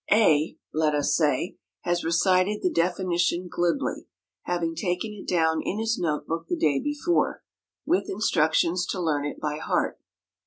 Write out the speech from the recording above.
A, let us say, has recited the definition glibly, having taken it down in his note book the day before, with instructions to learn it by heart.